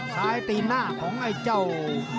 ซ้ายตีนหน้าของไอ้เจ้า